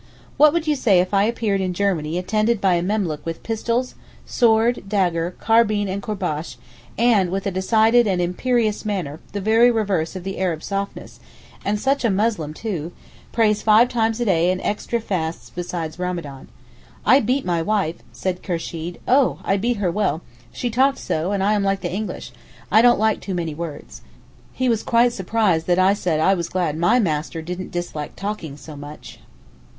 What would you say if I appeared in Germany attended by a memlook with pistols, sword, dagger, carbine and courbash, and with a decided and imperious manner the very reverse of the Arab softness—and such a Muslim too—prays five times a day and extra fasts besides Ramadan. 'I beat my wife' said Kursheed, 'oh! I beat her well! she talked so, and I am like the English, I don't like too many words.' He was quite surprised that I said I was glad my master didn't dislike talking so much.